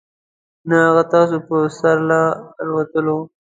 نه هغه ستاسو په سر له الوتلو .